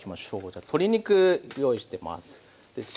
じゃあ鶏肉用意してます。